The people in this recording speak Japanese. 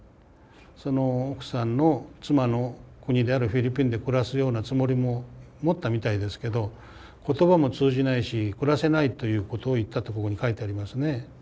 奥さんの妻の国であるフィリピンで暮らすようなつもりも持ったみたいですけど言葉も通じないし暮らせないということを言ったってここに書いてありますね。